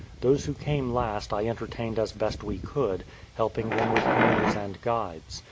Those who came last I entertained as best we could, helping them with canoes and guides.